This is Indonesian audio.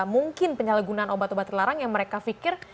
mungkin penyalahgunaan obat obat terlarang yang mereka pikir